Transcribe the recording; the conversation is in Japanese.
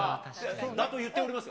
だと言っておりますが。